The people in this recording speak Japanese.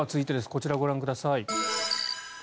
こちらをご覧ください。